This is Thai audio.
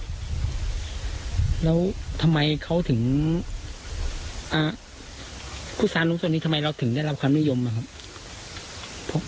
แล้วทำไมเขาถึงผู้สานุกตัวนี้ทำไมเราถึงได้รับความนิยมนะครับ